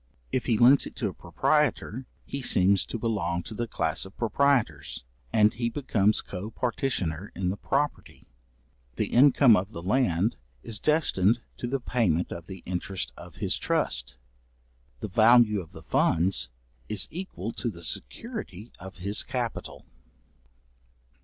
If he lends it to a proprietor, he seems to belong to the class of proprietors, and he becomes co partitioner in the property; the income of the land is destined to the payment of the interest of his trust; the value of the funds is equal to the security of his capital.